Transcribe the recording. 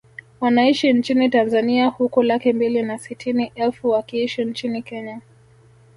Wanaishi nchini Tanzania huku laki mbili na sitini elfu wakiishi nchini Kenya